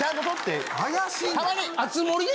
怪しい。